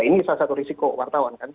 ini salah satu risiko wartawan kan